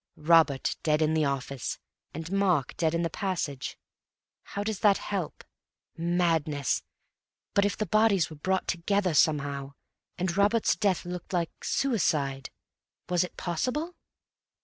Robert dead in the office, and Mark dead in the passage—how does that help? Madness! But if the bodies were brought together somehow and Robert's death looked like suicide?.... Was it possible?